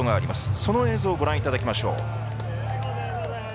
その映像をご覧いただきます。